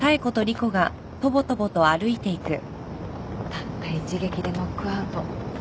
たった一撃でノックアウト。